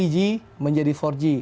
lima g menjadi empat g